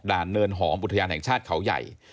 เนินหอมอุทยานแห่งชาติเขาใหญ่